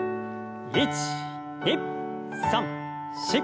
１２３４。